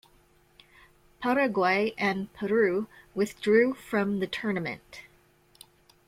Paraguay and Peru withdrew from the tournament.